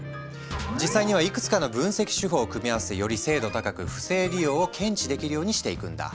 実際にはいくつかの分析手法を組み合わせてより精度高く不正利用を検知できるようにしていくんだ。